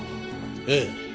ええ。